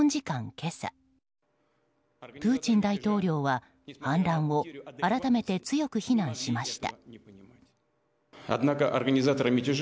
今朝プーチン大統領は反乱を改めて強く非難しました。